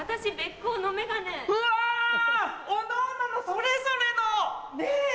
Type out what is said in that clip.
それぞれの！ねぇ！